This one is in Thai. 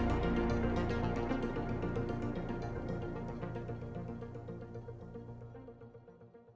จริงแล้วประเทศไทยทำเรื่องนี้ให้มันดีได้ทุกอายุคัน